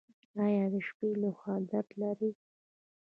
ایا د شپې لخوا درد لرئ؟